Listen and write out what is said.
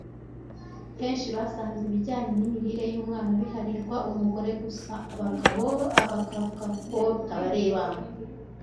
henshi basanze ibijyanye n’imirire y’umwana biharirwa umugore gusa abagabo abakavuga ko bitabareba